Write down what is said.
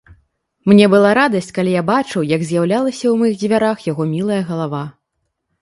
Мне была радасць, калі я бачыў, як з'яўлялася ў маіх дзвярах яго мілая галава.